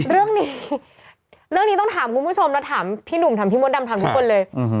เรื่องนี้เรื่องนี้ต้องถามคุณผู้ชมแล้วถามพี่หนุ่มถามพี่มดดำถามทุกคนเลย